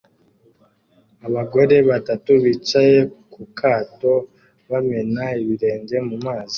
Abagore batatu bicaye ku kato bamena ibirenge mu mazi